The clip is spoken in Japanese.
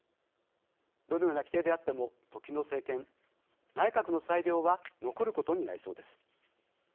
どのような規定であっても時の政権、内閣の裁量は残ることになりそうです。